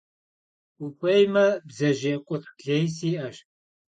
Vuxuêyme, bdzejêy khuitx lêy si'eş.